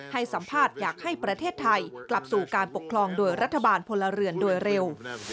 ให้สัมภาษณ์อยากให้ประเทศไทยกลับสู่การปกครองโดยรัฐบาลพลเรือนโดยเร็ว